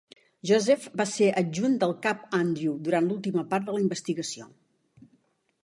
Joseph va ser adjunt del cap Andrew durant l'última part de la investigació.